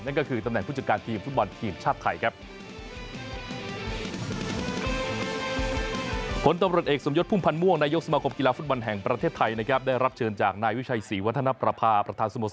นั่นก็คือตำแหน่งผู้จัดการทีมฟุตบอลทีมชาติไทยครับ